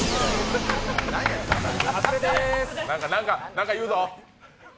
何か言うぞ。